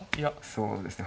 そうですね